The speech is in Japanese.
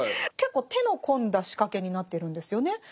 結構手の込んだ仕掛けになってるんですよね。